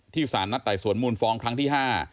สารนัดไต่สวนมูลฟ้องครั้งที่๕